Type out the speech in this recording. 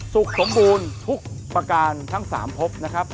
สุขสมบูรณ์ทุกประการทั้ง๓พบนะครับ